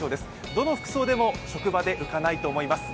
どの服装でも職場で浮かないと思います。